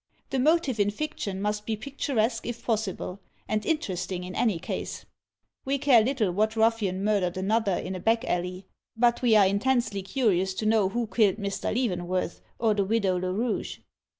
The motive in fiction must be picturesque if possible, and interesting in any case. We care little what ruffian murdered another in a back alley; but we are intensely curious to know who killed Mr. Leavenworth or the Widow Lerouge.